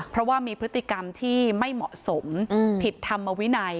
เพราะว่ามีพฤติกรรมที่ไม่เหมาะสมผิดธรรมวินัย